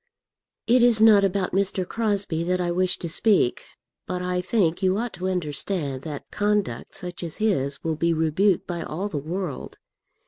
"It is not about Mr. Crosbie that I wish to speak. But I think you ought to understand that conduct such as his will be rebuked by all the world.